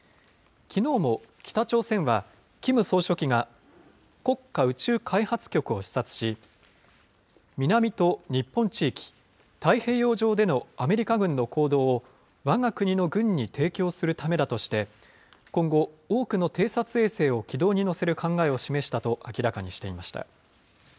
きのうも北朝鮮は、キム総書記が国家宇宙開発局を視察し、南と日本地域、太平洋上でのアメリカ軍の行動をわが国の軍に提供するためだとして、今後、多くの偵察衛星を軌道に乗せる考えを示したと明らかにしていました。